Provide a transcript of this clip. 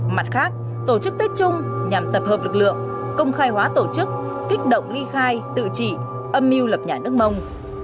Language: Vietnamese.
mặt khác tổ chức tết chung nhằm tập hợp lực lượng công khai hóa tổ chức kích động ly khai tự trị âm mưu lập nhà nước mông